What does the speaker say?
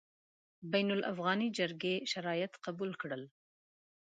بین الافغاني جرګې شرایط قبول کړل.